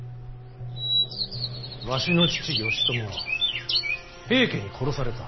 わしの父義朝は平家に殺された。